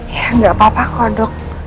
ya gak apa apa kok dok